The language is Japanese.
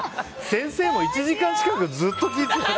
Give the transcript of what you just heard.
先生も１時間近くずっと聞いてた。